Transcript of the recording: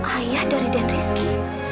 ayah dari dian rizky